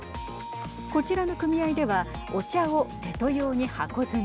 こちらの組合ではお茶をテト用に箱詰め。